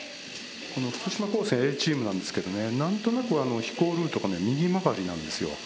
この福島高専Ａチームなんですけどね何となく飛行ルートがね右曲がりなんですよ。